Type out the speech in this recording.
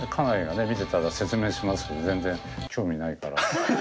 見てたら説明しますけど全然興味ないから。